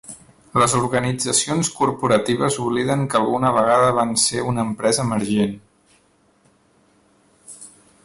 Les organitzacions corporatives obliden que alguna vegada van ser una empresa emergent.